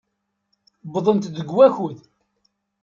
Wwḍent-d deg wakud.